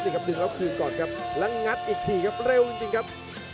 นี่ครับดึงแล้วคืนก่อนครับแล้วงัดอีกทีครับเร็วจริงครับ